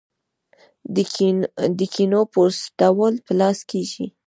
د کینو پوستول په لاس کیږي.